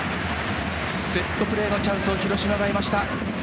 セットプレーのチャンスを広島が得ました。